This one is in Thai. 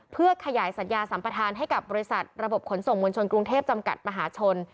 เพื่อขยายสัญญาสัมประธานให้กับบริษัทระบบขนส่งมวลชนกรุงเทพจำกัดมหาชน